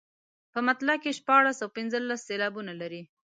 په مطلع کې شپاړس او پنځلس سېلابونه لري.